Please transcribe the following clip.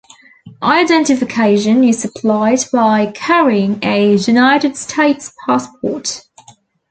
Identification is supplied by carrying a United States passport.